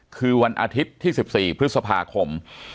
คือวันอาทิตย์ที่๑๔พฤษภาคม